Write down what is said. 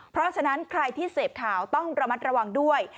เพราะฉะนั้นใครที่เสพข่าวต้องระมัดระวังด้วย